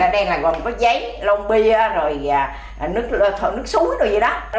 đây là gồm có giấy lông bia rồi nước suối đồ gì đó